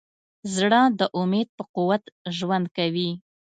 زړه د امید په قوت ژوند کوي.